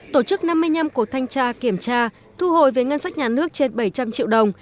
tổ chức năm mươi năm cuộc thanh tra kiểm tra thu hồi với ngân sách nhà nước trên bảy trăm linh triệu đồng